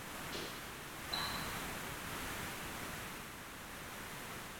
Ɓe loota juuɗe amin bee saabulu, nden be ndiyam!